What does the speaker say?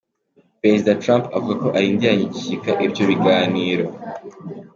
Perezida Trump avuga ko arindiranye igishika ivyo biganiro.